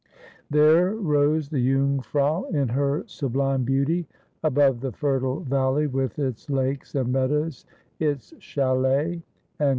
There rose the Jungfrau in her sublime beauty, above the fertile valley with its lakes and meadows, its chalets and u 306 Asphodel.